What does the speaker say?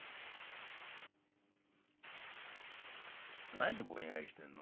「何ぼんやりしてんの？